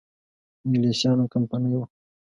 انګلیسیانو کمپنی وه.